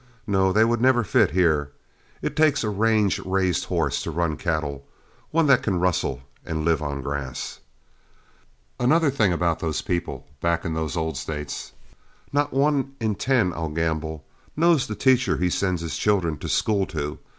No; they would never fit here it takes a range raised horse to run cattle; one that can rustle and live on grass." [Illustration: STORY TELLING] "Another thing about those people back in those old States: Not one in ten, I'll gamble, knows the teacher he sends his children to school to.